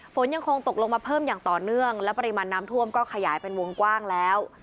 ฝนยังคงตกลงมาเพิ่มอย่างต่อเนื่องและปริมาณน้ำท่วมก็ขยายเป็นวงกว้างแล้ว